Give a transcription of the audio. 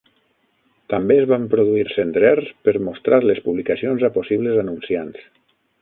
També es van produir cendrers per mostrar les publicacions a possibles anunciants.